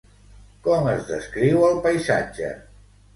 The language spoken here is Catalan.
Com es descriu el paisatge?